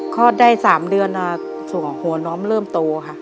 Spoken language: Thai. คลอดได้๓เดือนหัวน้องเริ่มโตค่ะ